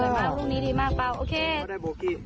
สวยมากลุ่มนี้ดีมากเปล่าโอเค